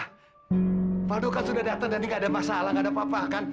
kavaldo kan sudah dateng dan ini gak ada masalah gak ada apa dua kan